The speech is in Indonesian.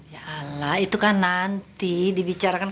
ya allah itu kan nanti dibicarakan